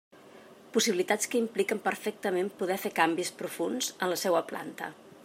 Possibilitats que impliquen perfectament poder fer canvis profunds en la seua planta.